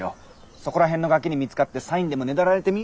そこら辺のガキに見つかってサインでもねだられてみ？